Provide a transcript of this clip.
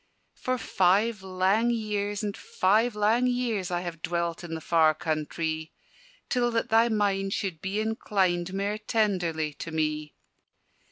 "For five lang years, and five lang years, I have dwelt in the far countrie, Till that thy mind should be inclined Mair tenderly to me.